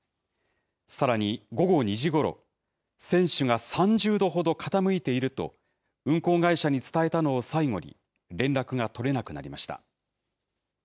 さらに、午後２時ごろ、船首が３０度ほど傾いていると、運航会社に伝えたのを最後に、連絡が取れなくなりました。